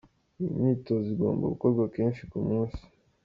Iyi myitozo igomba gukorwa kenshi ku munsi.